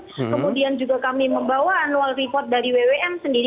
kemudian juga kami membawa annual report dari wwm sendiri